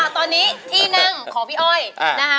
ตอนนี้ที่นั่งของพี่อ้อยนะคะ